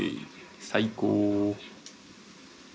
最高！